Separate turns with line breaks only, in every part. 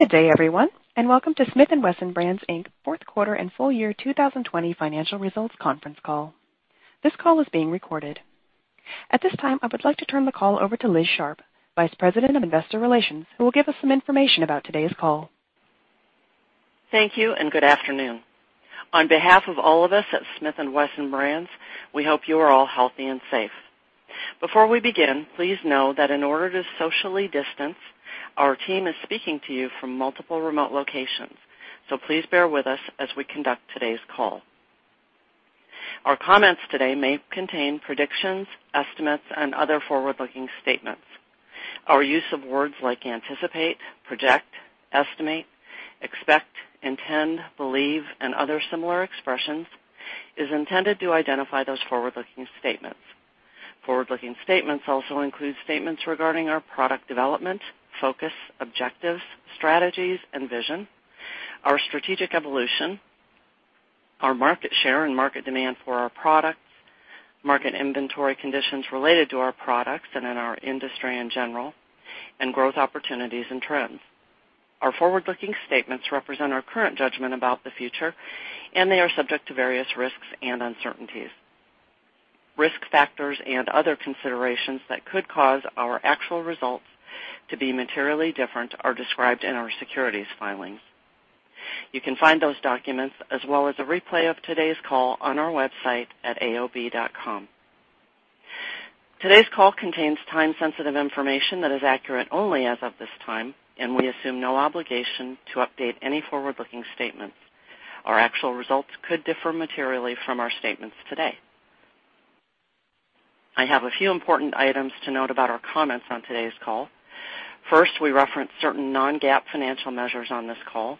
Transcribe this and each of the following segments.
Good day, everyone, and welcome to Smith & Wesson Brands, Inc fourth quarter and full year 2020 financial results conference call. This call is being recorded. At this time, I would like to turn the call over to Liz Sharp, Vice President of Investor Relations, who will give us some information about today's call.
Thank you and good afternoon. On behalf of all of us at Smith & Wesson Brands, we hope you are all healthy and safe. Before we begin, please know that in order to socially distance, our team is speaking to you from multiple remote locations, so please bear with us as we conduct today's call. Our comments today may contain predictions, estimates, and other forward-looking statements. Our use of words like anticipate, project, estimate, expect, intend, believe, and other similar expressions is intended to identify those forward-looking statements. Forward-looking statements also include statements regarding our product development, focus, objectives, strategies, and vision, our strategic evolution, our market share and market demand for our products, market inventory conditions related to our products and in our industry in general, and growth opportunities and trends. Our forward-looking statements represent our current judgment about the future, and they are subject to various risks and uncertainties. Risk factors and other considerations that could cause our actual results to be materially different are described in our securities filings. You can find those documents as well as a replay of today's call on our website at aob.com. Today's call contains time-sensitive information that is accurate only as of this time, and we assume no obligation to update any forward-looking statements. Our actual results could differ materially from our statements today. I have a few important items to note about our comments on today's call. First, we reference certain non-GAAP financial measures on this call.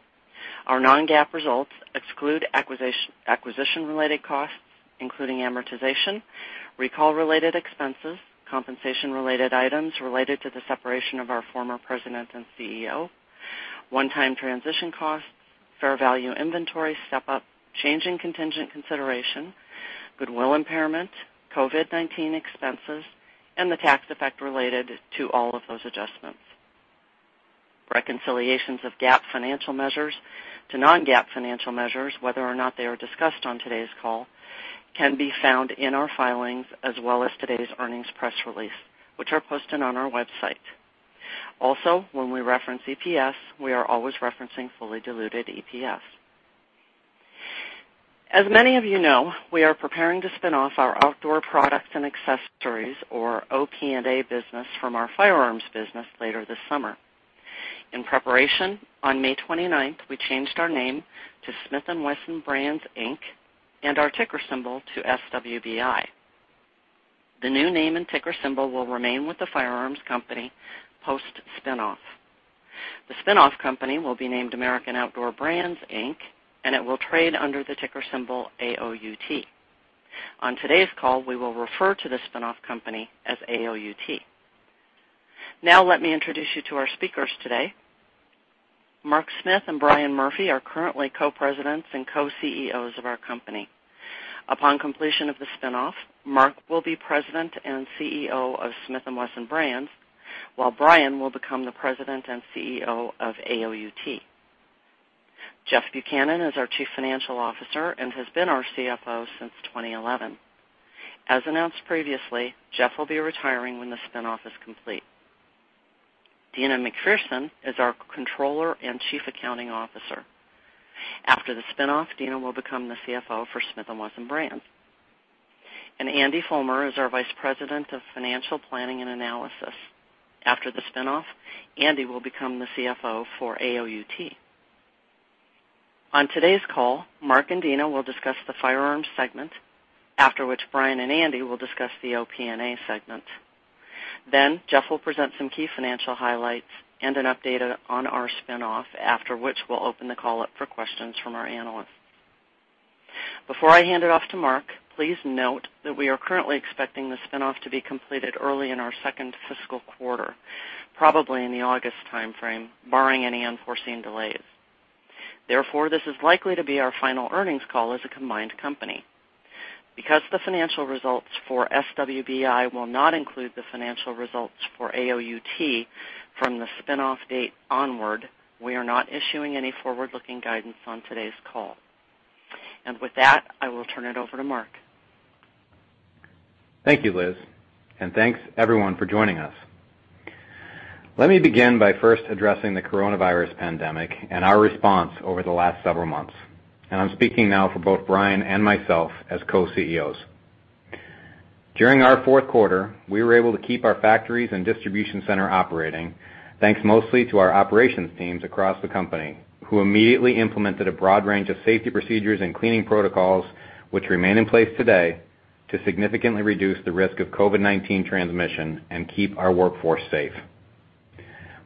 Our non-GAAP results exclude acquisition-related costs, including amortization, recall-related expenses, compensation-related items related to the separation of our former President and CEO, one-time transition costs, fair value inventory step-up, change in contingent consideration, goodwill impairment, COVID-19 expenses, and the tax effect related to all of those adjustments. Reconciliations of GAAP financial measures to non-GAAP financial measures, whether or not they are discussed on today's call, can be found in our filings as well as today's earnings press release, which are posted on our website. Also, when we reference EPS, we are always referencing fully diluted EPS. As many of you know, we are preparing to spin off our outdoor products and accessories, or OP&A business, from our firearms business later this summer. In preparation, on May 29th, we changed our name to Smith & Wesson Brands, Inc, and our ticker symbol to SWBI. The new name and ticker symbol will remain with the firearms company post-spin-off. The spin-off company will be named American Outdoor Brands, Inc, and it will trade under the ticker symbol AOUT. On today's call, we will refer to the spin-off company as AOUT. Now, let me introduce you to our speakers today. Mark Smith and Brian Murphy are currently Co-Presidents and Co-CEOs of our company. Upon completion of the spin-off, Mark will be President and CEO of Smith & Wesson Brands, while Brian will become the President and CEO of AOUT. Jeff Buchanan is our Chief Financial Officer and has been our CFO since 2011. As announced previously, Jeff will be retiring when the spin-off is complete. Deana McPherson is our Controller and Chief Accounting Officer. After the spin-off, Deana will become the CFO for Smith & Wesson Brands. Andy Fulmer is our Vice President of Financial Planning and Analysis. After the spin-off, Andy will become the CFO for AOUT. On today's call, Mark and Deana will discuss the firearms segment, after which Brian and Andy will discuss the OP&A segment. Then, Jeff will present some key financial highlights and an update on our spin-off, after which we'll open the call up for questions from our analysts. Before I hand it off to Mark, please note that we are currently expecting the spin-off to be completed early in our second fiscal quarter, probably in the August timeframe, barring any unforeseen delays. Therefore, this is likely to be our final earnings call as a combined company. Because the financial results for SWBI will not include the financial results for AOUT from the spin-off date onward, we are not issuing any forward-looking guidance on today's call. With that, I will turn it over to Mark.
Thank you, Liz, and thanks, everyone, for joining us. Let me begin by first addressing the coronavirus pandemic and our response over the last several months, and I'm speaking now for both Brian and myself as co-CEOs. During our fourth quarter, we were able to keep our factories and distribution center operating, thanks mostly to our operations teams across the company, who immediately implemented a broad range of safety procedures and cleaning protocols, which remain in place today, to significantly reduce the risk of COVID-19 transmission and keep our workforce safe.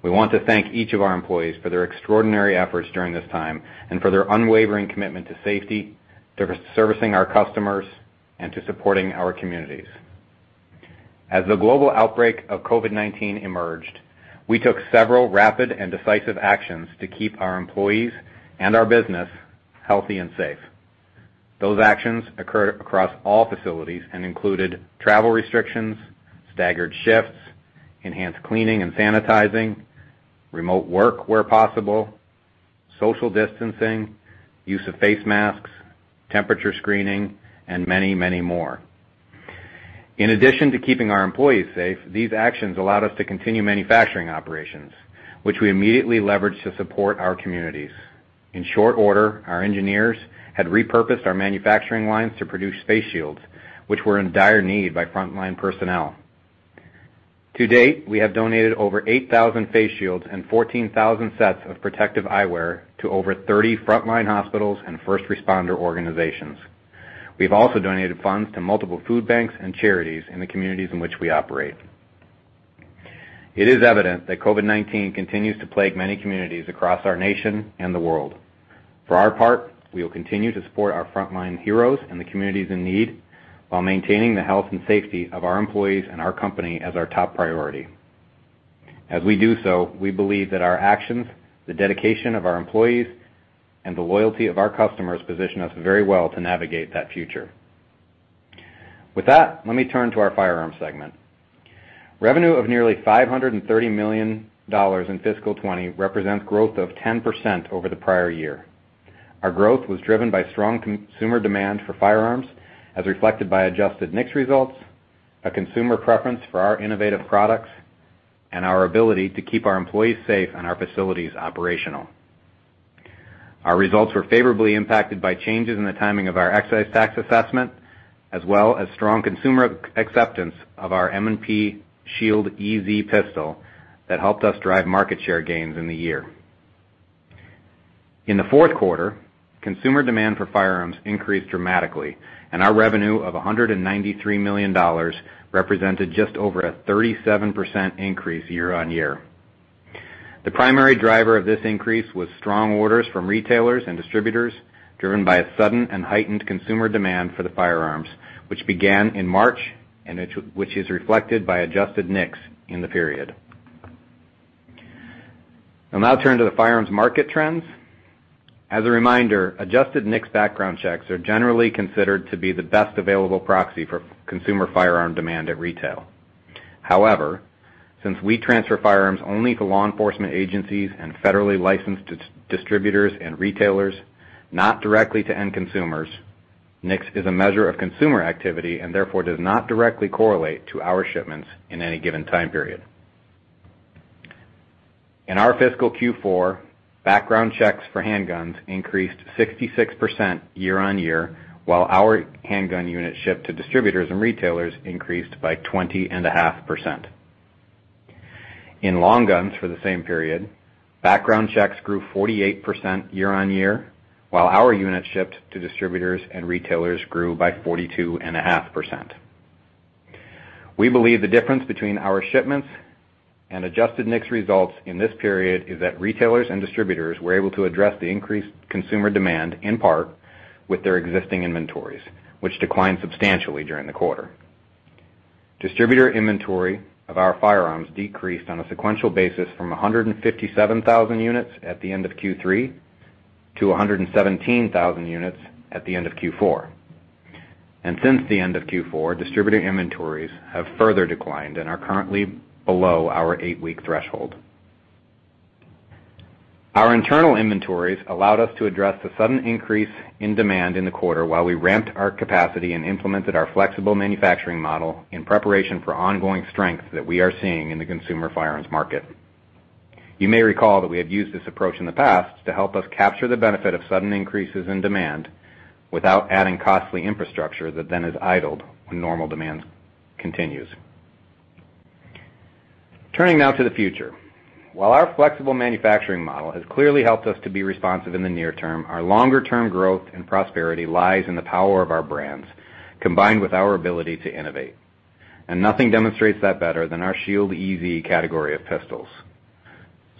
We want to thank each of our employees for their extraordinary efforts during this time and for their unwavering commitment to safety, to servicing our customers, and to supporting our communities. As the global outbreak of COVID-19 emerged, we took several rapid and decisive actions to keep our employees and our business healthy and safe. Those actions occurred across all facilities and included travel restrictions, staggered shifts, enhanced cleaning and sanitizing, remote work where possible, social distancing, use of face masks, temperature screening, and many, many more. In addition to keeping our employees safe, these actions allowed us to continue manufacturing operations, which we immediately leveraged to support our communities. In short order, our engineers had repurposed our manufacturing lines to produce face shields, which were in dire need by frontline personnel. To date, we have donated over 8,000 face shields and 14,000 sets of protective eyewear to over 30 frontline hospitals and first responder organizations. We've also donated funds to multiple food banks and charities in the communities in which we operate. It is evident that COVID-19 continues to plague many communities across our nation and the world. For our part, we will continue to support our frontline heroes and the communities in need while maintaining the health and safety of our employees and our company as our top priority. As we do so, we believe that our actions, the dedication of our employees, and the loyalty of our customers position us very well to navigate that future. With that, let me turn to our firearms segment. Revenue of nearly $530 million in fiscal 2020 represents growth of 10% over the prior year. Our growth was driven by strong consumer demand for firearms, as reflected by adjusted NICS results, a consumer preference for our innovative products, and our ability to keep our employees safe and our facilities operational. Our results were favorably impacted by changes in the timing of our excise tax assessment, as well as strong consumer acceptance of our M&P Shield EZ pistol that helped us drive market share gains in the year. In the fourth quarter, consumer demand for firearms increased dramatically, and our revenue of $193 million represented just over a 37% increase year-on-year. The primary driver of this increase was strong orders from retailers and distributors, driven by a sudden and heightened consumer demand for the firearms, which began in March and which is reflected by adjusted NICS in the period. I'll now turn to the firearms market trends. As a reminder, adjusted NICS background checks are generally considered to be the best available proxy for consumer firearm demand at retail. However, since we transfer firearms only to law enforcement agencies and federally licensed distributors and retailers, not directly to end consumers, NICS is a measure of consumer activity and therefore does not directly correlate to our shipments in any given time period. In our fiscal Q4, background checks for handguns increased 66% year-on-year, while our handgun units shipped to distributors and retailers increased by 20.5%. In long guns for the same period, background checks grew 48% year-on-year, while our units shipped to distributors and retailers grew by 42.5%. We believe the difference between our shipments and adjusted NICS results in this period is that retailers and distributors were able to address the increased consumer demand, in part, with their existing inventories, which declined substantially during the quarter. Distributor inventory of our firearms decreased on a sequential basis from 157,000 units at the end of Q3 to 117,000 units at the end of Q4, and since the end of Q4, distributor inventories have further declined and are currently below our eight-week threshold. Our internal inventories allowed us to address the sudden increase in demand in the quarter while we ramped our capacity and implemented our flexible manufacturing model in preparation for ongoing strength that we are seeing in the consumer firearms market. You may recall that we had used this approach in the past to help us capture the benefit of sudden increases in demand without adding costly infrastructure that then is idled when normal demand continues. Turning now to the future. While our flexible manufacturing model has clearly helped us to be responsive in the near term, our longer-term growth and prosperity lies in the power of our brands, combined with our ability to innovate, and nothing demonstrates that better than our Shield EZ category of pistols.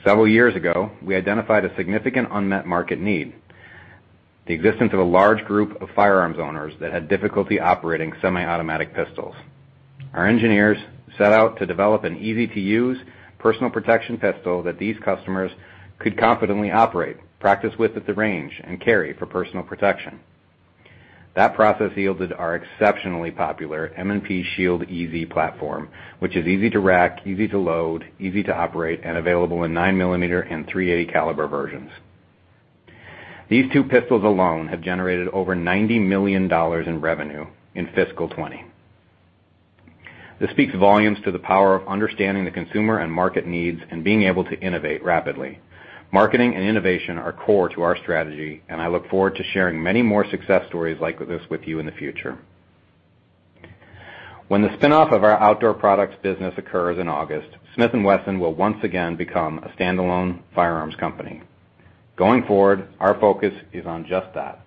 Several years ago, we identified a significant unmet market need: the existence of a large group of firearms owners that had difficulty operating semi-automatic pistols. Our engineers set out to develop an easy-to-use personal protection pistol that these customers could confidently operate, practice with at the range, and carry for personal protection. That process yielded our exceptionally popular M&P Shield EZ platform, which is easy to rack, easy to load, easy to operate, and available in 9mm and .380 caliber versions. These two pistols alone have generated over $90 million in revenue in fiscal 2020. This speaks volumes to the power of understanding the consumer and market needs and being able to innovate rapidly. Marketing and innovation are core to our strategy, and I look forward to sharing many more success stories like this with you in the future. When the spin-off of our outdoor products business occurs in August, Smith & Wesson will once again become a standalone firearms company. Going forward, our focus is on just that: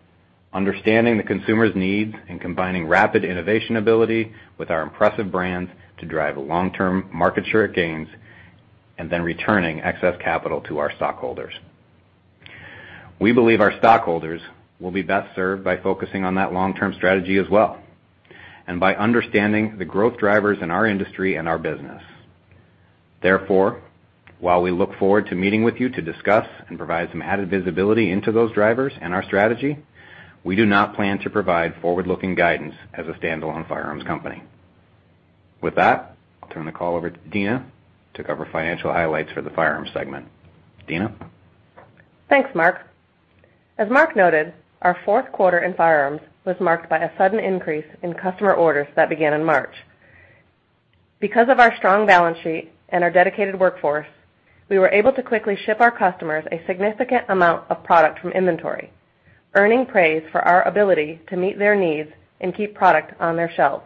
understanding the consumer's needs and combining rapid innovation ability with our impressive brands to drive long-term market share gains and then returning excess capital to our stockholders. We believe our stockholders will be best served by focusing on that long-term strategy as well, and by understanding the growth drivers in our industry and our business. Therefore, while we look forward to meeting with you to discuss and provide some added visibility into those drivers and our strategy, we do not plan to provide forward-looking guidance as a standalone firearms company. With that, I'll turn the call over to Deana to cover financial highlights for the firearms segment. Deana.
Thanks, Mark. As Mark noted, our fourth quarter in firearms was marked by a sudden increase in customer orders that began in March. Because of our strong balance sheet and our dedicated workforce, we were able to quickly ship our customers a significant amount of product from inventory, earning praise for our ability to meet their needs and keep product on their shelves.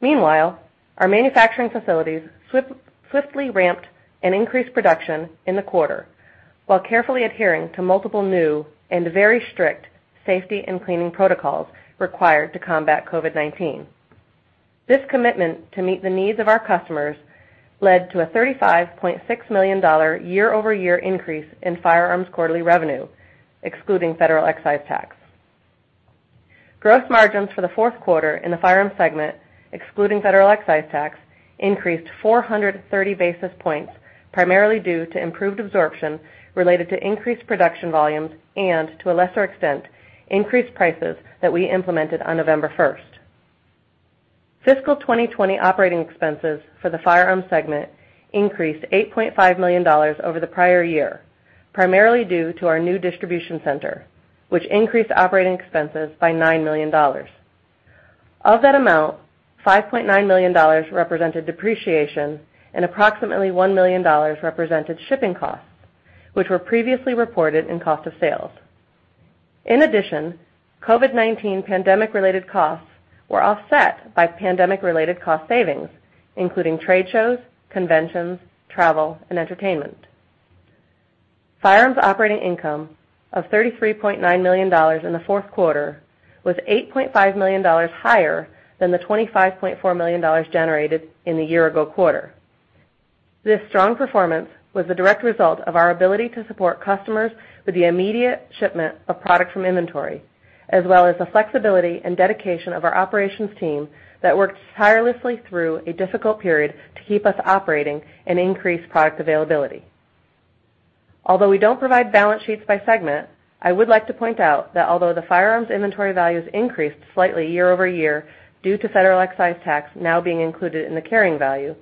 Meanwhile, our manufacturing facilities swiftly ramped and increased production in the quarter while carefully adhering to multiple new and very strict safety and cleaning protocols required to combat COVID-19. This commitment to meet the needs of our customers led to a $35.6 million year-over-year increase in firearms quarterly revenue, excluding federal excise tax. Gross margins for the fourth quarter in the firearms segment, excluding federal excise tax, increased 430 basis points, primarily due to improved absorption related to increased production volumes and, to a lesser extent, increased prices that we implemented on November 1st. Fiscal 2020 operating expenses for the firearms segment increased $8.5 million over the prior year, primarily due to our new distribution center, which increased operating expenses by $9 million. Of that amount, $5.9 million represented depreciation, and approximately $1 million represented shipping costs, which were previously reported in cost of sales. In addition, COVID-19 pandemic-related costs were offset by pandemic-related cost savings, including trade shows, conventions, travel, and entertainment. Firearms operating income of $33.9 million in the fourth quarter was $8.5 million higher than the $25.4 million generated in the year-ago quarter. This strong performance was the direct result of our ability to support customers with the immediate shipment of product from inventory, as well as the flexibility and dedication of our operations team that worked tirelessly through a difficult period to keep us operating and increase product availability. Although we don't provide balance sheets by segment, I would like to point out that although the firearms inventory values increased slightly year-over-year due to federal excise tax now being included in the carrying value,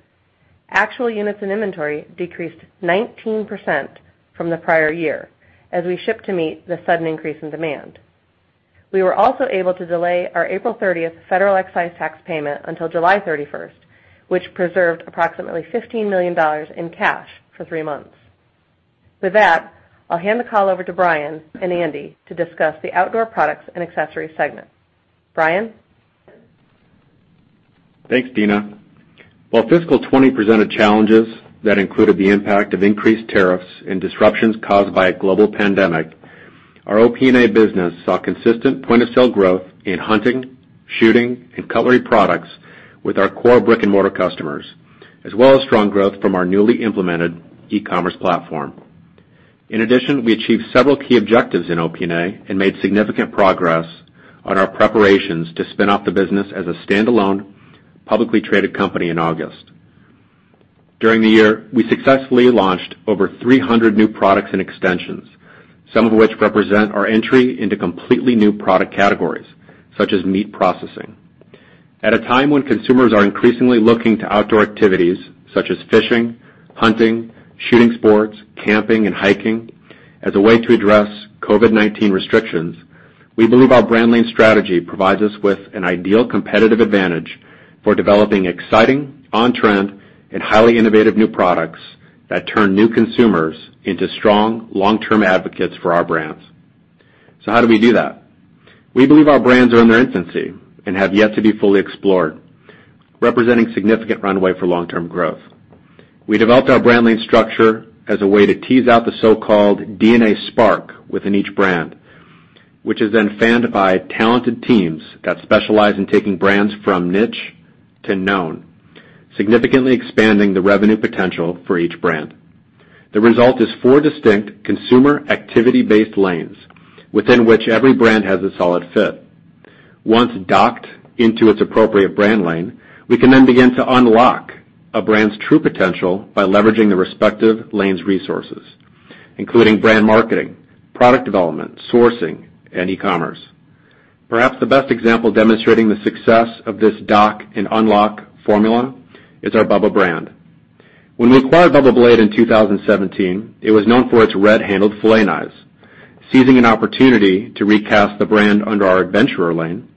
actual units in inventory decreased 19% from the prior year, as we shipped to meet the sudden increase in demand. We were also able to delay our April 30th federal excise tax payment until July 31st, which preserved approximately $15 million in cash for three months. With that, I'll hand the call over to Brian and Andy to discuss the outdoor products and accessories segment. Brian?
Thanks, Deana. While fiscal 2020 presented challenges that included the impact of increased tariffs and disruptions caused by a global pandemic, our OP&A business saw consistent point-of-sale growth in hunting, shooting, and cutlery products with our core brick-and-mortar customers, as well as strong growth from our newly implemented e-commerce platform. In addition, we achieved several key objectives in OP&A and made significant progress on our preparations to spin-off the business as a standalone, publicly traded company in August. During the year, we successfully launched over 300 new products and extensions, some of which represent our entry into completely new product categories, such as MEAT! processing. At a time when consumers are increasingly looking to outdoor activities, such as fishing, hunting, shooting sports, camping, and hiking, as a way to address COVID-19 restrictions, we believe our brand name strategy provides us with an ideal competitive advantage for developing exciting, on-trend, and highly innovative new products that turn new consumers into strong, long-term advocates for our brands. So how do we do that? We believe our brands are in their infancy and have yet to be fully explored, representing significant runway for long-term growth. We developed our brand name structure as a way to tease out the so-called DNA spark within each brand, which is then fanned by talented teams that specialize in taking brands from niche to known, significantly expanding the revenue potential for each brand. The result is four distinct consumer activity-based lanes, within which every brand has a solid fit. Once docked into its appropriate brand lane, we can then begin to unlock a brand's true potential by leveraging the respective lanes' resources, including brand marketing, product development, sourcing, and e-commerce. Perhaps the best example demonstrating the success of this Dock & Unlock formula is our Bubba brand. When we acquired Bubba Blade in 2017, it was known for its red-handled fillet knives. Seizing an opportunity to recast the brand under our adventurer lane,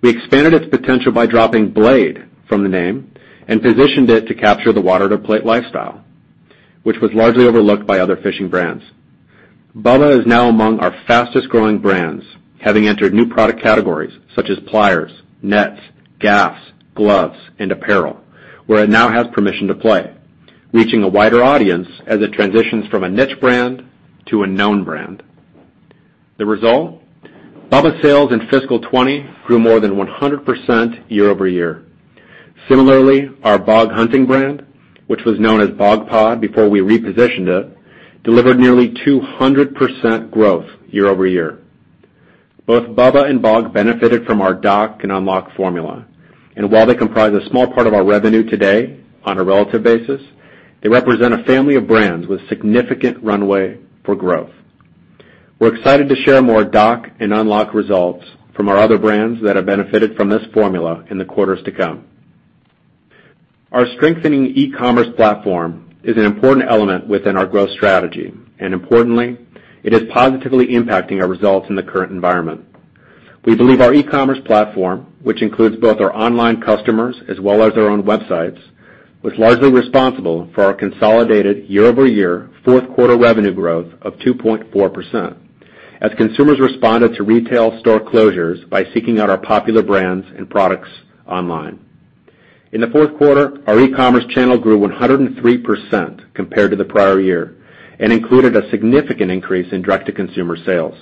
we expanded its potential by dropping "Blade" from the name and positioned it to capture the water-to-plate lifestyle, which was largely overlooked by other fishing brands. Bubba is now among our fastest-growing brands, having entered new product categories such as pliers, nets, gaffs, gloves, and apparel, where it now has permission to play, reaching a wider audience as it transitions from a niche brand to a known brand. The result? Bubba sales in fiscal 2020 grew more than 100% year-over-year. Similarly, our Bog hunting brand, which was known as Bog Pod before we repositioned it, delivered nearly 200% growth year-over-year. Both Bubba and Bog benefited from our Dock-and-unlock formula, and while they comprise a small part of our revenue today on a relative basis, they represent a family of brands with significant runway for growth. We're excited to share more Dock-and-unlock results from our other brands that have benefited from this formula in the quarters to come. Our strengthening e-commerce platform is an important element within our growth strategy, and importantly, it is positively impacting our results in the current environment. We believe our e-commerce platform, which includes both our online customers as well as our own websites, was largely responsible for our consolidated year-over-year fourth quarter revenue growth of 2.4%, as consumers responded to retail store closures by seeking out our popular brands and products online. In the fourth quarter, our e-commerce channel grew 103% compared to the prior year and included a significant increase in direct-to-consumer sales.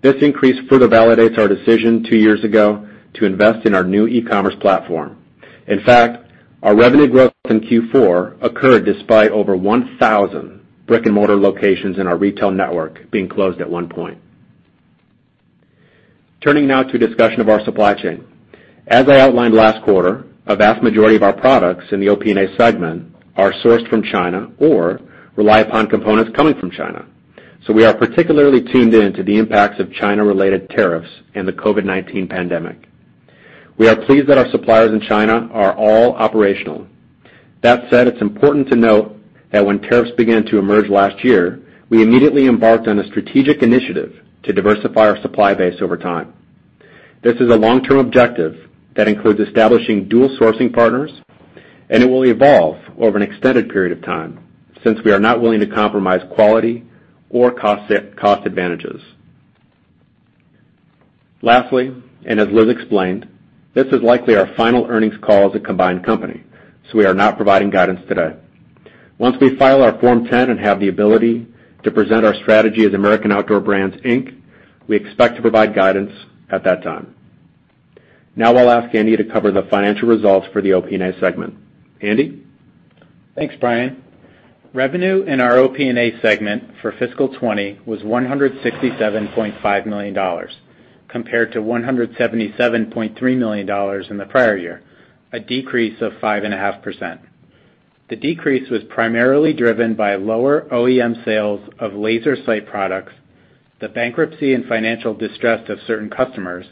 This increase further validates our decision two years ago to invest in our new e-commerce platform. In fact, our revenue growth in Q4 occurred despite over 1,000 brick-and-mortar locations in our retail network being closed at one point. Turning now to a discussion of our supply chain. As I outlined last quarter, a vast majority of our products in the OP&A segment are sourced from China or rely upon components coming from China, so we are particularly tuned in to the impacts of China-related tariffs and the COVID-19 pandemic. We are pleased that our suppliers in China are all operational. That said, it's important to note that when tariffs began to emerge last year, we immediately embarked on a strategic initiative to diversify our supply base over time. This is a long-term objective that includes establishing dual sourcing partners, and it will evolve over an extended period of time since we are not willing to compromise quality or cost advantages. Lastly, and as Liz explained, this is likely our final earnings call as a combined company, so we are not providing guidance today. Once we file our Form 10 and have the ability to present our strategy as American Outdoor Brands, Inc, we expect to provide guidance at that time. Now I'll ask Andy to cover the financial results for the OP&A segment. Andy?
Thanks, Brian. Revenue in our OP&A segment for fiscal 2020 was $167.5 million compared to $177.3 million in the prior year, a decrease of 5.5%. The decrease was primarily driven by lower OEM sales of laser sight products, the bankruptcy and financial distress of certain customers,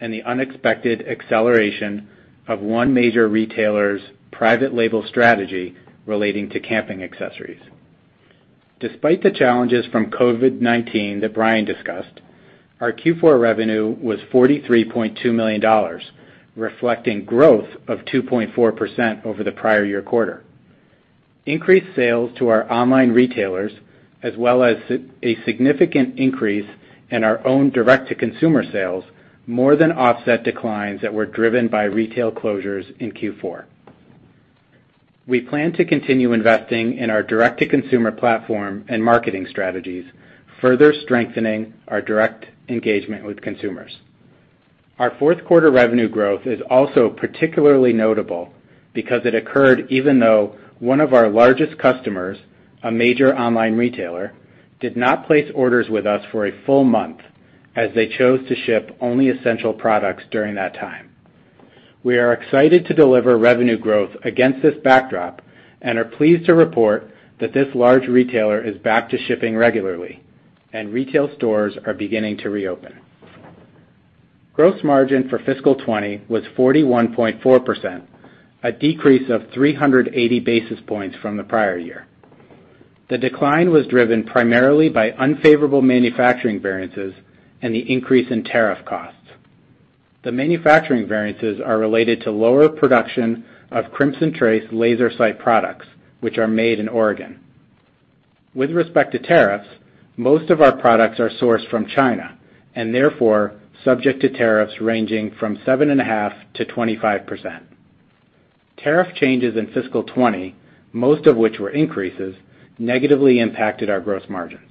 and the unexpected acceleration of one major retailer's private label strategy relating to camping accessories. Despite the challenges from COVID-19 that Brian discussed, our Q4 revenue was $43.2 million, reflecting growth of 2.4% over the prior year quarter. Increased sales to our online retailers, as well as a significant increase in our own direct-to-consumer sales, more than offset declines that were driven by retail closures in Q4. We plan to continue investing in our direct-to-consumer platform and marketing strategies, further strengthening our direct engagement with consumers. Our fourth quarter revenue growth is also particularly notable because it occurred even though one of our largest customers, a major online retailer, did not place orders with us for a full month, as they chose to ship only essential products during that time. We are excited to deliver revenue growth against this backdrop and are pleased to report that this large retailer is back to shipping regularly, and retail stores are beginning to reopen. Gross margin for fiscal 2020 was 41.4%, a decrease of 380 basis points from the prior year. The decline was driven primarily by unfavorable manufacturing variances and the increase in tariff costs. The manufacturing variances are related to lower production of Crimson Trace laser sight products, which are made in Oregon. With respect to tariffs, most of our products are sourced from China and therefore subject to tariffs ranging from 7.5%-25%. Tariff changes in fiscal 2020, most of which were increases, negatively impacted our gross margins.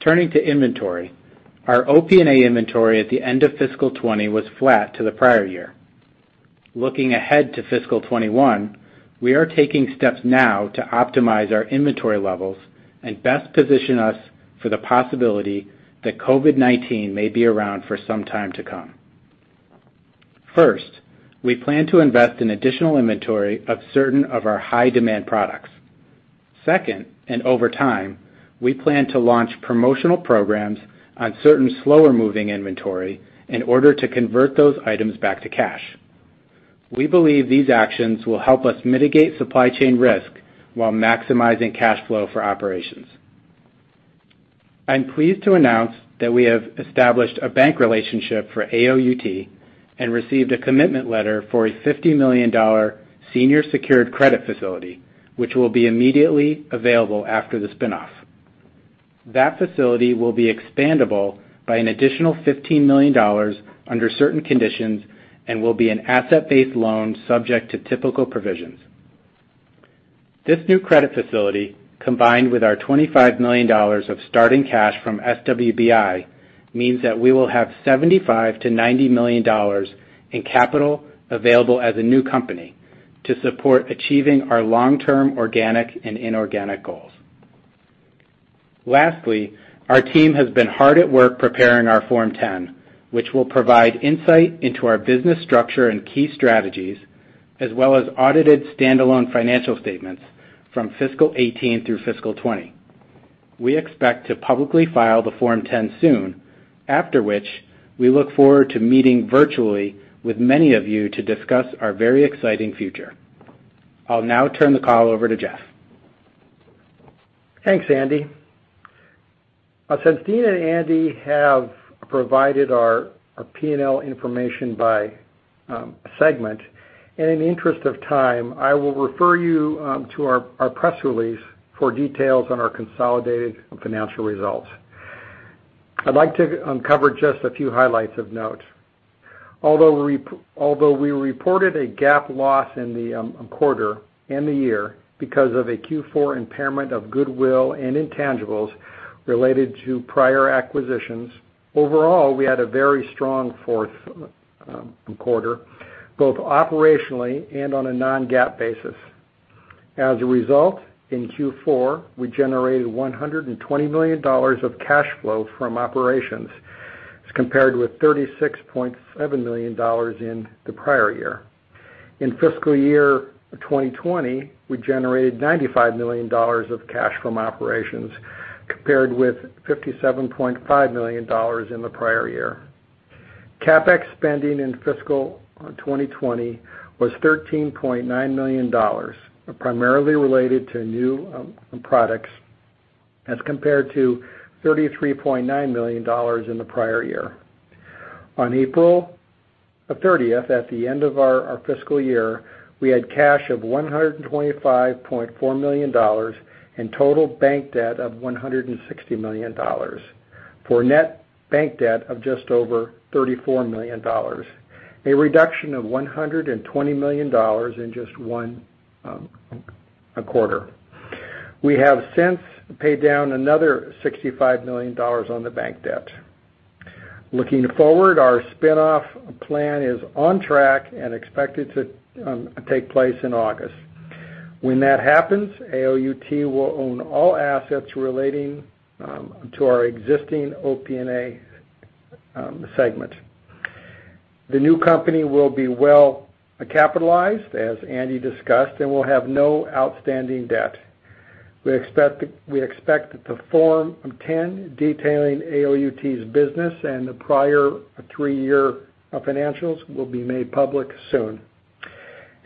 Turning to inventory, our OP&A inventory at the end of fiscal 2020 was flat to the prior year. Looking ahead to fiscal 2021, we are taking steps now to optimize our inventory levels and best position us for the possibility that COVID-19 may be around for some time to come. First, we plan to invest in additional inventory of certain of our high-demand products. Second, and over time, we plan to launch promotional programs on certain slower-moving inventory in order to convert those items back to cash. We believe these actions will help us mitigate supply chain risk while maximizing cash flow for operations. I'm pleased to announce that we have established a bank relationship for AOUT and received a commitment letter for a $50 million senior secured credit facility, which will be immediately available after the spin-off. That facility will be expandable by an additional $15 million under certain conditions and will be an asset-based loan subject to typical provisions. This new credit facility, combined with our $25 million of starting cash from SWBI, means that we will have $75 million-$90 million in capital available as a new company to support achieving our long-term organic and inorganic goals. Lastly, our team has been hard at work preparing our Form 10, which will provide insight into our business structure and key strategies, as well as audited standalone financial statements from fiscal 2018 through fiscal 2020. We expect to publicly file the Form 10 soon, after which we look forward to meeting virtually with many of you to discuss our very exciting future. I'll now turn the call over to Jeff.
Thanks, Andy. Since Deana and Andy have provided our P&L information by segment, in the interest of time, I will refer you to our press release for details on our consolidated financial results. I'd like to cover just a few highlights of note. Although we reported a GAAP loss in the quarter and the year because of a Q4 impairment of goodwill and intangibles related to prior acquisitions, overall, we had a very strong fourth quarter, both operationally and on a non-GAAP basis. As a result, in Q4, we generated $120 million of cash flow from operations, compared with $36.7 million in the prior year. In fiscal year 2020, we generated $95 million of cash from operations, compared with $57.5 million in the prior year. CapEx spending in fiscal 2020 was $13.9 million, primarily related to new products, as compared to $33.9 million in the prior year. On April 30th, at the end of our fiscal year, we had cash of $125.4 million and total bank debt of $160 million, for net bank debt of just over $34 million, a reduction of $120 million in just one quarter. We have since paid down another $65 million on the bank debt. Looking forward, our spinoff plan is on track and expected to take place in August. When that happens, AOUT will own all assets relating to our existing OP&A segment. The new company will be well capitalized, as Andy discussed, and will have no outstanding debt. We expect that the Form 10 detailing AOUT's business and the prior three-year financials will be made public soon.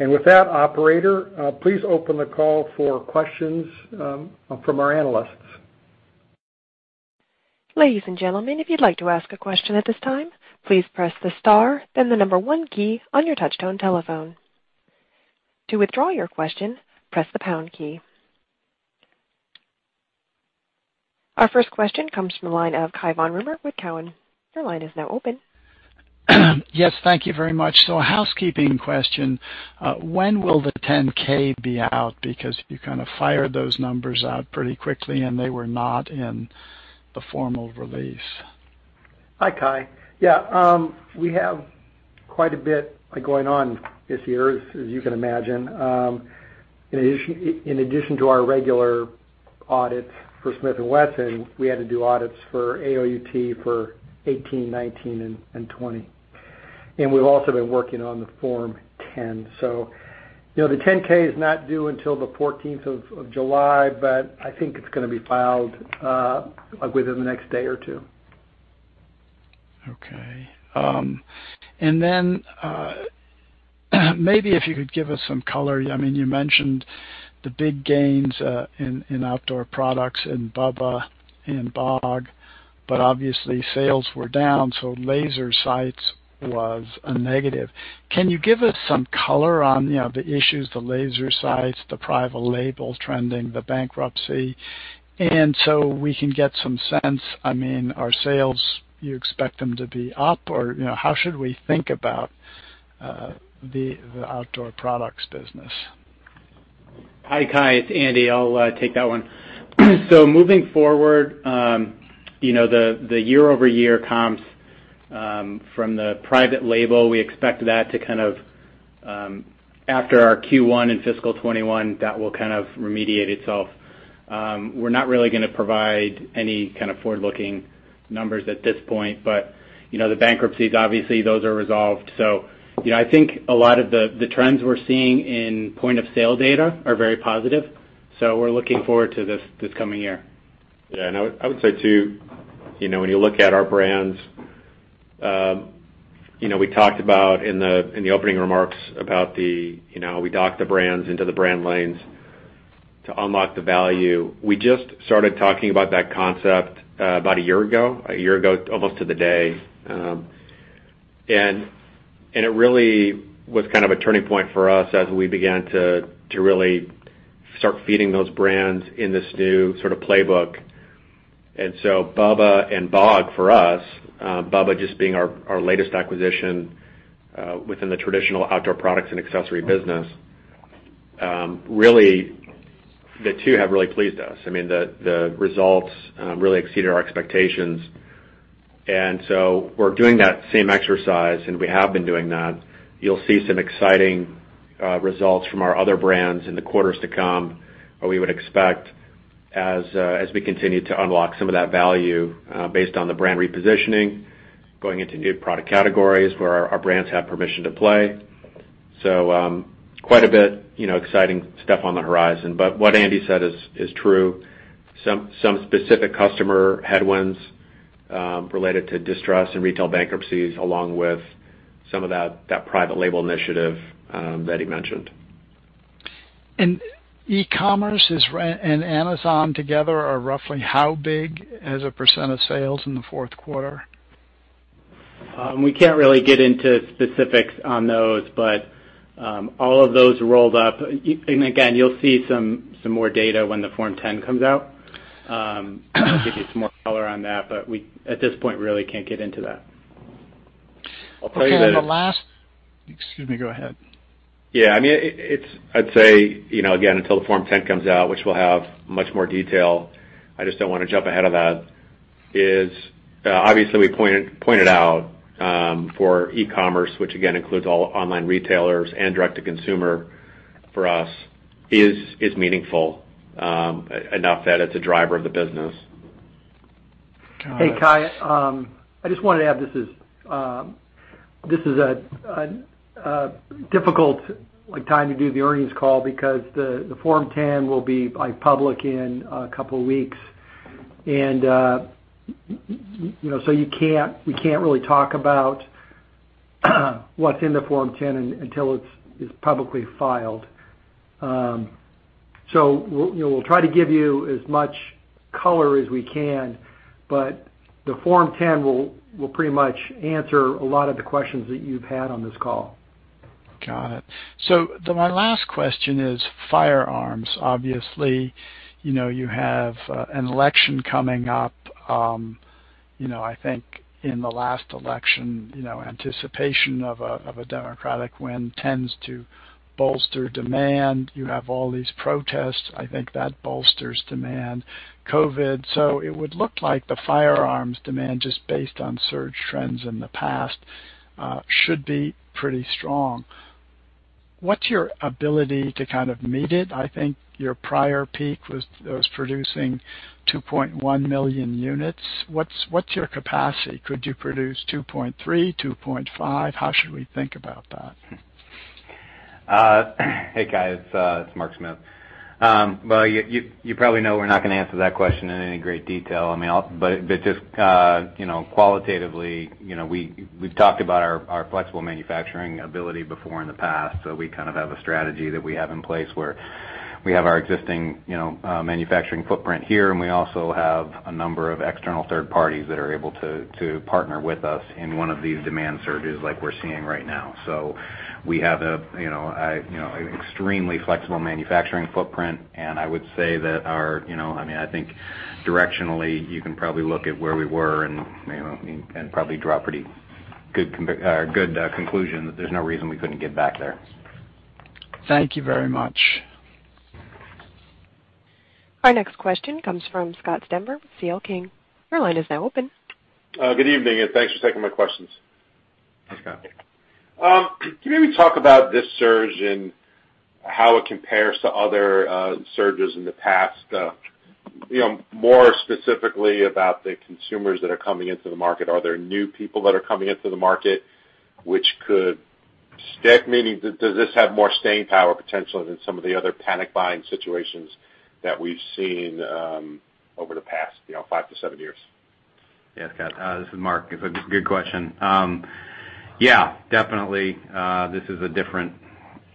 And with that, operator, please open the call for questions from our analysts.
Ladies and gentlemen, if you'd like to ask a question at this time, please press the star, then the number one key on your touch-tone telephone. To withdraw your question, press the pound key. Our first question comes from the line of Cai von Rumohr with Cowen. Your line is now open.
Yes, thank you very much. So, a housekeeping question. When will the 10-K be out? Because you kind of fired those numbers out pretty quickly, and they were not in the formal release.
Hi, Cai. Yeah, we have quite a bit going on this year, as you can imagine. In addition to our regular audits for Smith & Wesson, we had to do audits for AOUT for 2018, 2019, and 2020, and we've also been working on the Form 10, so the 10-K is not due until the 14th of July, but I think it's going to be filed within the next day or two.
Okay. And then maybe if you could give us some color. I mean, you mentioned the big gains in outdoor products in Bubba and Bog, but obviously sales were down, so laser sight was a negative. Can you give us some color on the issues, the laser sights, the private label trending, the bankruptcy, and so we can get some sense? I mean, our sales, you expect them to be up, or how should we think about the outdoor products business?
Hi, Cai. It's Andy. I'll take that one. So moving forward, the year-over-year comps from the private label, we expect that to kind of, after our Q1 in fiscal 2021, that will kind of remediate itself. We're not really going to provide any kind of forward-looking numbers at this point, but the bankruptcies, obviously, those are resolved. So I think a lot of the trends we're seeing in point-of-sale data are very positive, so we're looking forward to this coming year.
Yeah, and I would say too, when you look at our brands, we talked about in the opening remarks about how we dock the brands into the brand lanes to unlock the value. We just started talking about that concept about a year ago, a year ago almost to the day. And it really was kind of a turning point for us as we began to really start feeding those brands in this new sort of playbook. And so Bubba and Bog, for us, Bubba just being our latest acquisition within the traditional outdoor products and accessory business, really the two have really pleased us. I mean, the results really exceeded our expectations. And so we're doing that same exercise, and we have been doing that. You'll see some exciting results from our other brands in the quarters to come, where we would expect, as we continue to unlock some of that value based on the brand repositioning, going into new product categories where our brands have permission to play. So quite a bit of exciting stuff on the horizon. But what Andy said is true. Some specific customer headwinds related to distress and retail bankruptcies, along with some of that private label initiative that he mentioned.
E-commerce and Amazon together are roughly how big as a % of sales in the fourth quarter?
We can't really get into specifics on those, but all of those rolled up, and again, you'll see some more data when the Form 10 comes out. I'll give you some more color on that, but at this point, we really can't get into that.
I'll tell you that.
Okay, and the last, excuse me, go ahead.
Yeah, I mean, I'd say, again, until the Form 10 comes out, which we'll have much more detail. I just don't want to jump ahead of that. Obviously, we pointed out for e-commerce, which again includes all online retailers and direct-to-consumer for us, is meaningful enough that it's a driver of the business.
Hey, Cai. I just wanted to add, this is a difficult time to do the earnings call because the Form 10 will be public in a couple of weeks, and so we can't really talk about what's in the Form 10 until it's publicly filed, so we'll try to give you as much color as we can, but the Form 10 will pretty much answer a lot of the questions that you've had on this call.
Got it. So my last question is firearms. Obviously, you have an election coming up. I think in the last election, anticipation of a Democratic win tends to bolster demand. You have all these protests. I think that bolsters demand. COVID. So it would look like the firearms demand, just based on surge trends in the past, should be pretty strong. What's your ability to kind of meet it? I think your prior peak was producing 2.1 million units. What's your capacity? Could you produce 2.3, 2.5? How should we think about that?
Hey, Cai. It's Mark Smith. Well, you probably know we're not going to answer that question in any great detail. I mean, but just qualitatively, we've talked about our flexible manufacturing ability before in the past. So we kind of have a strategy that we have in place where we have our existing manufacturing footprint here, and we also have a number of external third parties that are able to partner with us in one of these demand surges like we're seeing right now. So we have an extremely flexible manufacturing footprint, and I would say that our - I mean, I think directionally, you can probably look at where we were and probably draw a pretty good conclusion that there's no reason we couldn't get back there.
Thank you very much.
Our next question comes from Scott Stember with CL King. Your line is now open.
Good evening, and thanks for taking my questions.
Thanks, Scott.
Can you maybe talk about this surge and how it compares to other surges in the past? More specifically about the consumers that are coming into the market. Are there new people that are coming into the market, which could stick? Meaning, does this have more staying power potentially than some of the other panic buying situations that we've seen over the past five to seven years?
Yes, Scott. This is Mark. It's a good question. Yeah, definitely, this is a different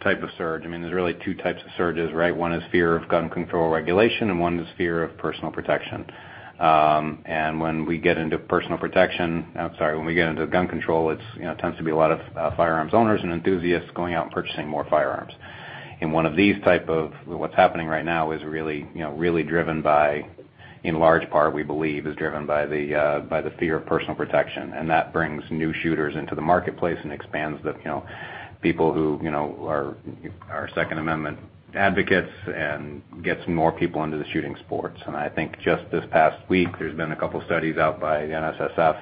type of surge. I mean, there's really two types of surges, right? One is fear of gun control regulation, and one is fear of personal protection. And when we get into personal protection, I'm sorry, when we get into gun control, it tends to be a lot of firearms owners and enthusiasts going out and purchasing more firearms. And one of these types of what's happening right now is really driven by, in large part, we believe, is driven by the fear of personal protection. And that brings new shooters into the marketplace and expands the people who are Second Amendment advocates and gets more people into the shooting sports. And I think just this past week, there's been a couple of studies out by the NSSF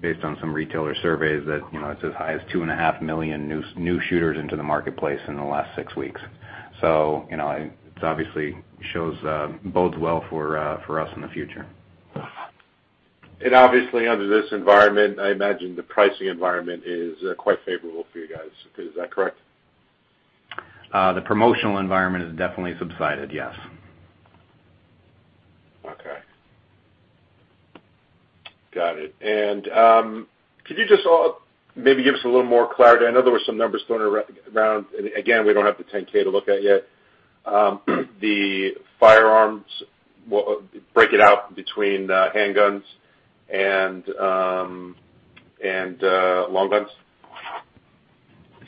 based on some retailer surveys that it's as high as two and a half million new shooters into the marketplace in the last six weeks. So it obviously bodes well for us in the future.
And obviously, under this environment, I imagine the pricing environment is quite favorable for you guys. Is that correct?
The promotional environment has definitely subsided, yes.
Okay. Got it. And could you just maybe give us a little more clarity? I know there were some numbers thrown around. Again, we don't have the 10-K to look at yet. The firearms, break it out between handguns and long guns?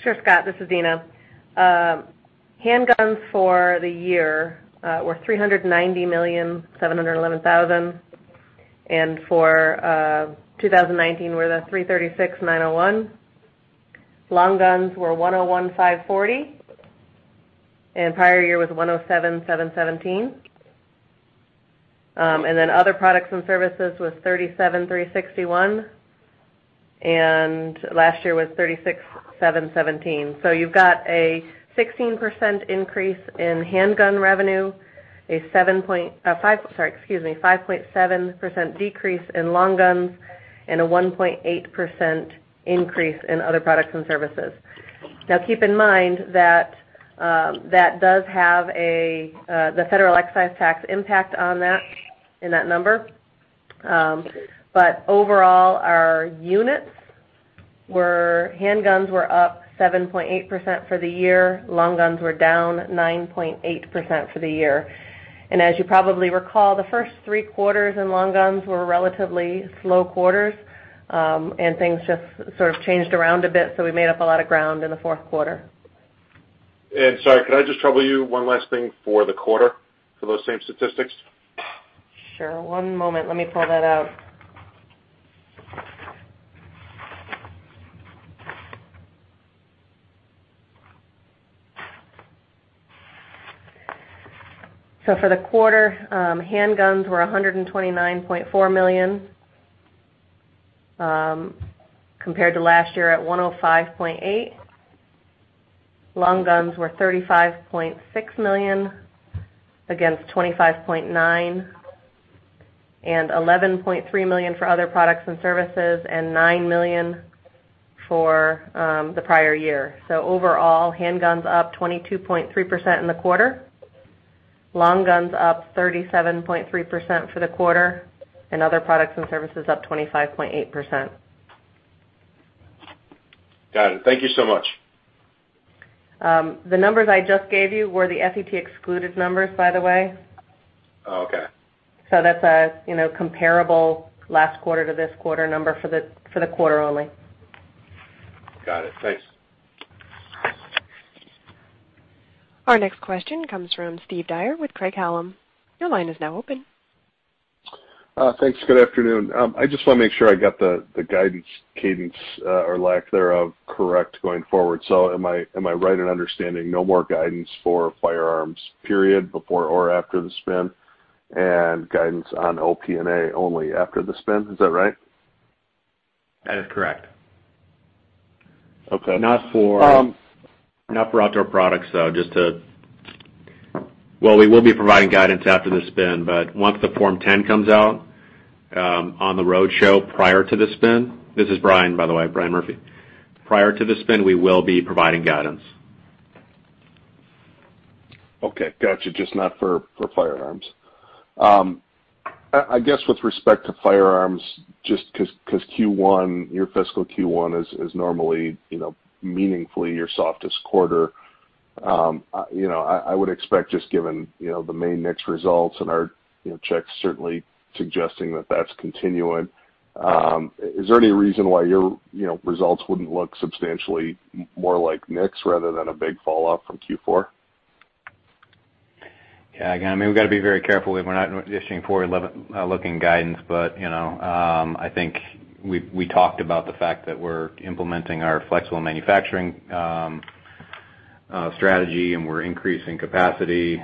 Sure, Scott. This is Deana. Handguns for the year were $390,711,000, and for 2019, we're at $336,901. Long guns were $101,540, and prior year was $107,717. And then other products and services was $37,361, and last year was $36,717. So you've got a 16% increase in handgun revenue, a 7.5%, sorry, excuse me, 5.7% decrease in long guns, and a 1.8% increase in other products and services. Now, keep in mind that that does have the Federal Excise Tax impact on that in that number. But overall, our units were, handguns were up 7.8% for the year, long guns were down 9.8% for the year. And as you probably recall, the first three quarters in long guns were relatively slow quarters, and things just sort of changed around a bit, so we made up a lot of ground in the fourth quarter.
Sorry, could I just trouble you one last thing for the quarter for those same statistics?
Sure. One moment. Let me pull that out. So for the quarter, handguns were $129.4 million compared to last year at $105.8 million. Long guns were $35.6 million against $25.9 million, and $11.3 million for other products and services, and $9 million for the prior year. So overall, handguns up 22.3% in the quarter, long guns up 37.3% for the quarter, and other products and services up 25.8%.
Got it. Thank you so much.
The numbers I just gave you were the FET excluded numbers, by the way.
Oh, okay.
So that's a comparable last quarter to this quarter number for the quarter only.
Got it. Thanks.
Our next question comes from Steve Dyer with Craig-Hallum. Your line is now open.
Thanks. Good afternoon. I just want to make sure I got the guidance cadence or lack thereof correct going forward. So am I right in understanding no more guidance for firearms period before or after the spin, and guidance on OP&A only after the spin? Is that right?
That is correct.
Okay.
Not for outdoor products, though, just to, well, we will be providing guidance after the spin, but once the Form 10 comes out on the road show prior to the spin. This is Brian, by the way, Brian Murphy. Prior to the spin, we will be providing guidance.
Okay. Gotcha. Just not for firearms. I guess with respect to firearms, just because Q1, your fiscal Q1 is normally meaningfully your softest quarter, I would expect, just given the monthly NICS results and our checks certainly suggesting that that's continuing. Is there any reason why your results wouldn't look substantially more like NICS rather than a big falloff from Q4?
Yeah. Again, I mean, we've got to be very careful when we're not issuing forward-looking guidance, but I think we talked about the fact that we're implementing our flexible manufacturing strategy, and we're increasing capacity.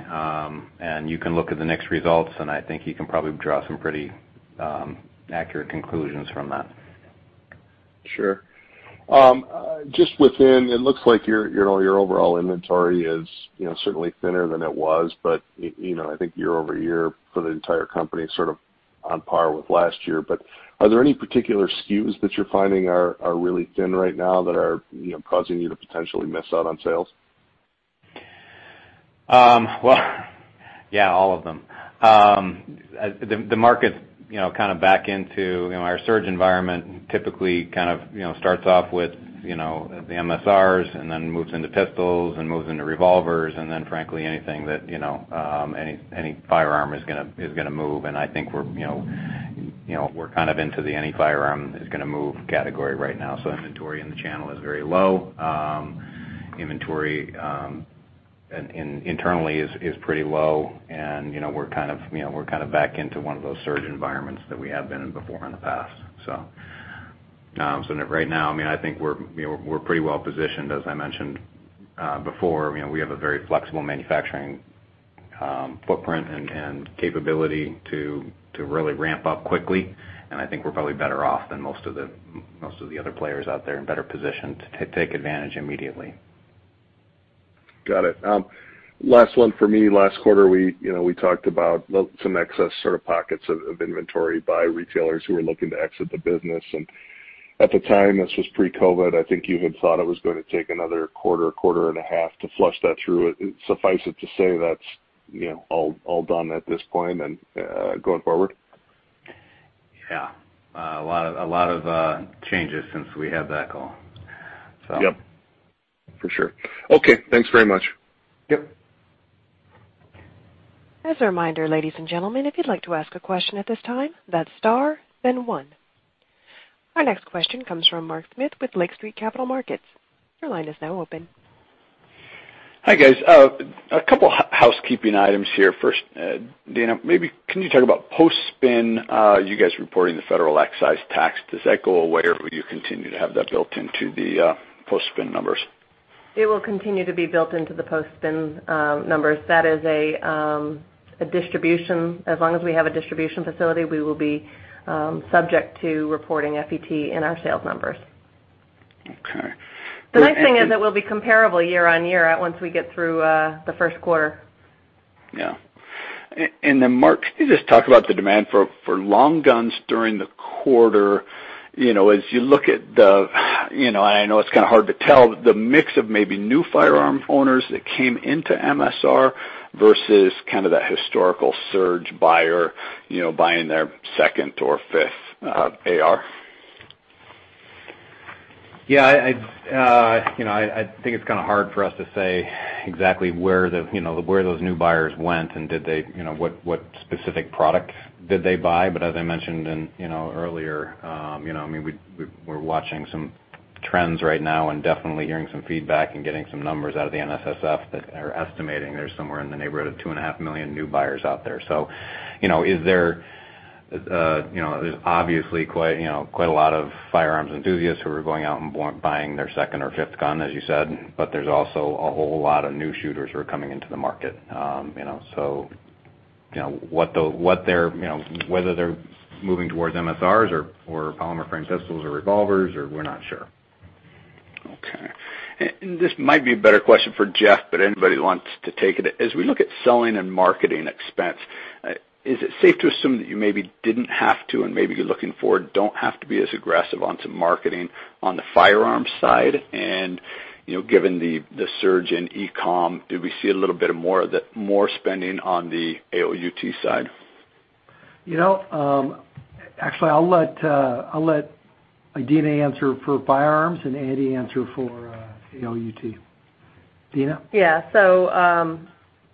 And you can look at the NICS results, and I think you can probably draw some pretty accurate conclusions from that.
Sure. Just within, it looks like your overall inventory is certainly thinner than it was, but I think year-over-year for the entire company is sort of on par with last year. But are there any particular SKUs that you're finding are really thin right now that are causing you to potentially miss out on sales?
Yeah, all of them. The market's kind of back into our surge environment typically kind of starts off with the MSRs and then moves into pistols and moves into revolvers, and then frankly, anything that any firearm is going to move. I think we're kind of into the any firearm is going to move category right now. Inventory in the channel is very low. Inventory internally is pretty low, and we're kind of back into one of those surge environments that we have been in before in the past. Right now, I mean, I think we're pretty well positioned. As I mentioned before, we have a very flexible manufacturing footprint and capability to really ramp up quickly, and I think we're probably better off than most of the other players out there and better positioned to take advantage immediately.
Got it. Last one for me. Last quarter, we talked about some excess sort of pockets of inventory by retailers who were looking to exit the business. And at the time, this was pre-COVID. I think you had thought it was going to take another quarter, quarter and a half to flush that through. Suffice it to say that's all done at this point and going forward?
Yeah. A lot of changes since we had that call, so.
Yep. For sure. Okay. Thanks very much.
Yep.
As a reminder, ladies and gentlemen, if you'd like to ask a question at this time, that's star, then one. Our next question comes from Mark Smith with Lake Street Capital Markets. Your line is now open.
Hi, guys. A couple of housekeeping items here. First, Deana, maybe can you talk about post-spin you guys reporting the Federal Excise Tax? Does that go away, or will you continue to have that built into the post-spin numbers?
It will continue to be built into the post-spin numbers. That is a distribution. As long as we have a distribution facility, we will be subject to reporting FET in our sales numbers.
Okay. That's good.
The nice thing is it will be comparable year-on-year once we get through the first quarter.
Yeah. And then, Mark, can you just talk about the demand for long guns during the quarter? As you look at the, and I know it's kind of hard to tell, the mix of maybe new firearm owners that came into MSR versus kind of that historical surge buyer buying their second or fifth AR?
Yeah. I think it's kind of hard for us to say exactly where those new buyers went and what specific product did they buy. But as I mentioned earlier, I mean, we're watching some trends right now and definitely hearing some feedback and getting some numbers out of the NSSF that are estimating there's somewhere in the neighborhood of two and a half million new buyers out there. So there's obviously quite a lot of firearms enthusiasts who are going out and buying their second or fifth gun, as you said, but there's also a whole lot of new shooters who are coming into the market. So whether they're moving towards MSRs or polymer frame pistols or revolvers, we're not sure.
Okay. And this might be a better question for Jeff, but anybody that wants to take it. As we look at selling and marketing expense, is it safe to assume that you maybe didn't have to and maybe you're looking forward don't have to be as aggressive on some marketing on the firearms side? And given the surge in e-comm, did we see a little bit more spending on the AOUT side?
Actually, I'll let Deana answer for firearms and Andy answer for AOUT. Deana?
Yeah, so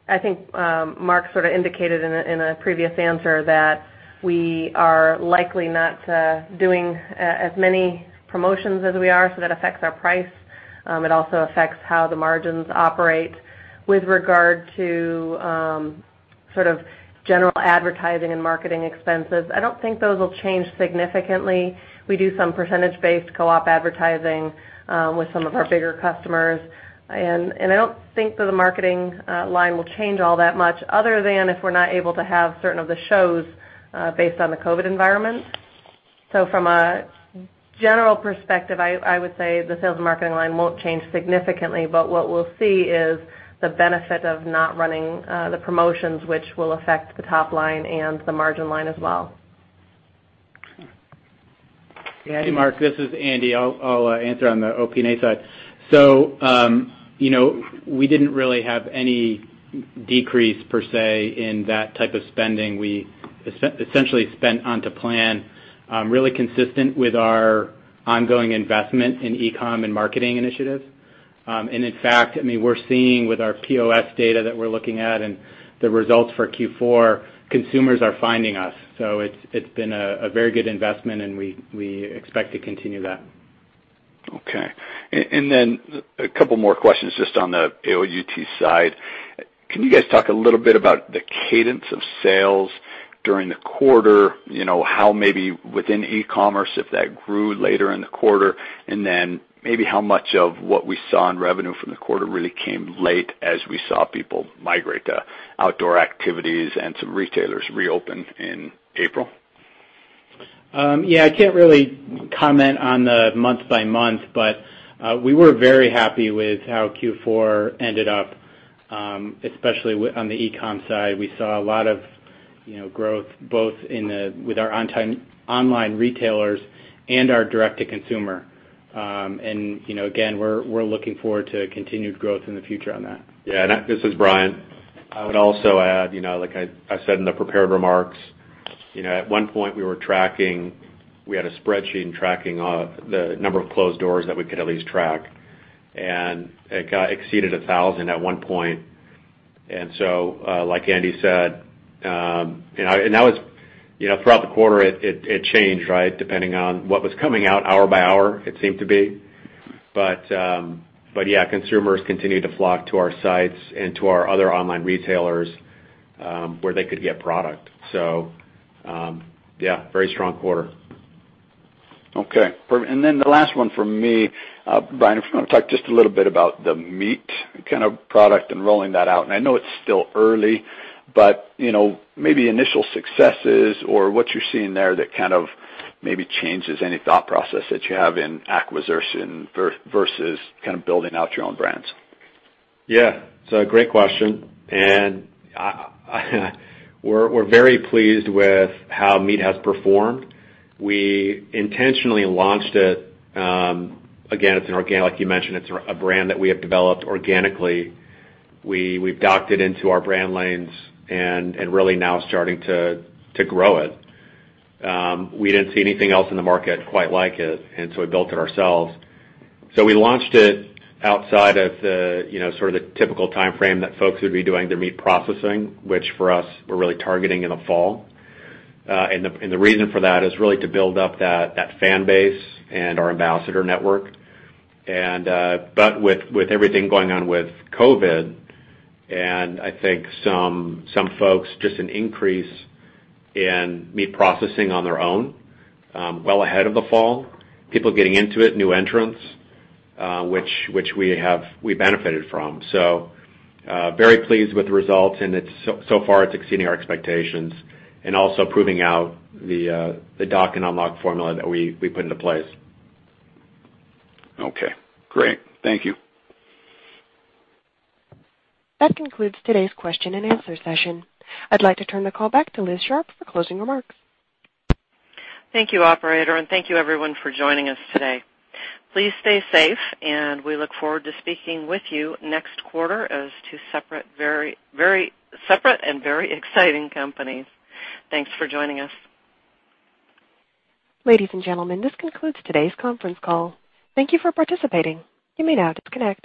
I think Mark sort of indicated in a previous answer that we are likely not doing as many promotions as we are, so that affects our price. It also affects how the margins operate with regard to sort of general advertising and marketing expenses. I don't think those will change significantly. We do some percentage-based co-op advertising with some of our bigger customers, and I don't think that the marketing line will change all that much other than if we're not able to have certain of the shows based on the COVID environment, so from a general perspective, I would say the sales and marketing line won't change significantly, but what we'll see is the benefit of not running the promotions, which will affect the top line and the margin line as well.
Hey, Mark. This is Andy. I'll answer on the FP&A side. So we didn't really have any decrease per se in that type of spending. We essentially spent onto plan really consistent with our ongoing investment in e-comm and marketing initiatives. And in fact, I mean, we're seeing with our POS data that we're looking at and the results for Q4, consumers are finding us. So it's been a very good investment, and we expect to continue that.
Okay. And then a couple more questions just on the AOUT side. Can you guys talk a little bit about the cadence of sales during the quarter? How maybe within e-commerce, if that grew later in the quarter, and then maybe how much of what we saw in revenue from the quarter really came late as we saw people migrate to outdoor activities and some retailers reopen in April?
Yeah. I can't really comment on the month by month, but we were very happy with how Q4 ended up, especially on the e-comm side. We saw a lot of growth both with our online retailers and our direct-to-consumer. And again, we're looking forward to continued growth in the future on that.
Yeah. This is Brian. I would also add, like I said in the prepared remarks, at one point we were tracking, we had a spreadsheet and tracking the number of closed doors that we could at least track, and it exceeded 1,000 at one point. And so, like Andy said, and that was throughout the quarter, it changed, right, depending on what was coming out hour by hour, it seemed to be. But yeah, consumers continued to flock to our sites and to our other online retailers where they could get product. So yeah, very strong quarter.
Okay. Perfect. And then the last one for me, Brian, if you want to talk just a little bit about the meat kind of product and rolling that out. And I know it's still early, but maybe initial successes or what you're seeing there that kind of maybe changes any thought process that you have in acquisition versus kind of building out your own brands?
Yeah. So, a great question, and we're very pleased with how MEAT! has performed. We intentionally launched it. Again, like you mentioned, it's a brand that we have developed organically. We've docked it into our brand lanes and really now starting to grow it. We didn't see anything else in the market quite like it, and so we built it ourselves. So we launched it outside of sort of the typical timeframe that folks would be doing their meat processing, which for us, we're really targeting in the fall. And the reason for that is really to build up that fan base and our ambassador network. But with everything going on with COVID and I think some folks, just an increase in meat processing on their own well ahead of the fall, people getting into it, new entrants, which we benefited from. So very pleased with the results, and so far it's exceeding our expectations and also proving out the dock-and-unlock formula that we put into place.
Okay. Great. Thank you.
That concludes today's question and answer session. I'd like to turn the call back to Liz Sharp for closing remarks.
Thank you, operator, and thank you, everyone, for joining us today. Please stay safe, and we look forward to speaking with you next quarter as two separate and very exciting companies. Thanks for joining us.
Ladies and gentlemen, this concludes today's conference call. Thank you for participating. You may now disconnect.